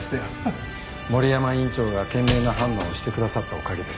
森山院長が賢明な判断をしてくださったおかげです。